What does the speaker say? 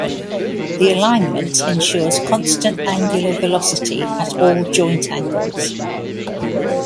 The alignment ensures constant angular velocity at all joint angles.